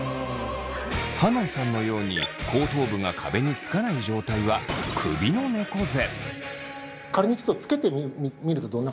はのんさんのように後頭部が壁につかない状態は首のねこ背。